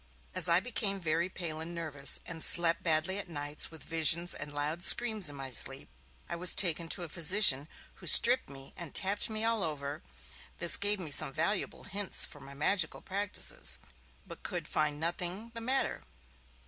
As I became very pale and nervous, and slept badly at nights, with visions and loud screams in my sleep, I was taken to a physician, who stripped me and tapped me all over (this gave me some valuable hints for my magical practices), but could find nothing the matter.